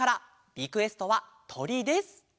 リクエストは「とり」です。